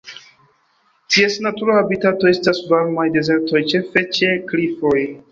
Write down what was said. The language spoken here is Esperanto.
Ties natura habitato estas varmaj dezertoj ĉefe ĉe klifoj.